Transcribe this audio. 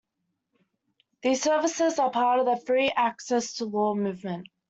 These services are part of the Free Access to Law Movement.